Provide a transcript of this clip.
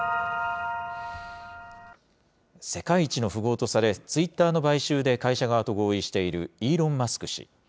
世界一の富豪とされ、ツイッターの買収で会社側と合意している、イーロン・マスク氏。